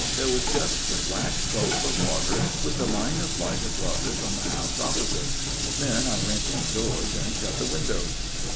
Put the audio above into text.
There was just the black gulf of water, with the line of light across it from the house opposite. Then I went indoors and shut the windows.